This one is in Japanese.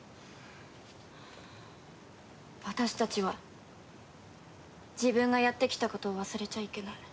私たちは自分がやってきたことを忘れちゃいけない。